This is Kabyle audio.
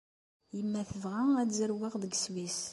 Yemma tebɣa ad zerweɣ deg Sswis.